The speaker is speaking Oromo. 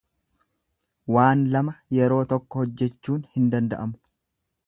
Waan lama yeroo tokko hojjechuun hin danda'amu.